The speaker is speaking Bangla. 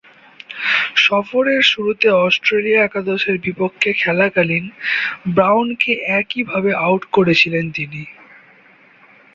সফরের শুরুতে অস্ট্রেলিয়া একাদশের বিপক্ষে খেলাকালীন ব্রাউনকে একইভাবে আউট করেছিলেন তিনি।